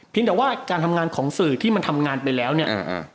แต่ว่าการทำงานของสื่อที่มันทำงานไปแล้วเนี่ย